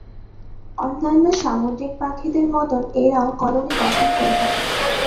অন্যান্য সামুদ্রিক পাখিদের মতোন এরাও কলোনি গঠন করে থাকে।